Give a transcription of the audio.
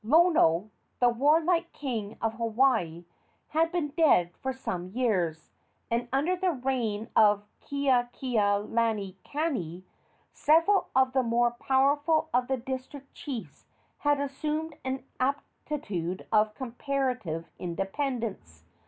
Lono, the warlike king of Hawaii, had been dead for some years, and under the reign of Keakealanikane several of the more powerful of the district chiefs had assumed an attitude of comparative independence.